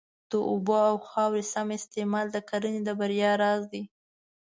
د اوبو او خاورې سم استعمال د کرنې د بریا راز دی.